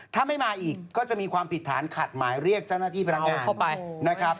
ถ้าไม่มาอีกก็จะมีความผิดฐานขัดหมายเรียกเจ้าหน้าที่พนักงาน